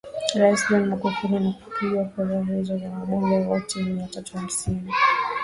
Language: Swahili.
rais John Magufuli na kupigiwa kura ya ndiyo na wabunge wote mia tatu hamsini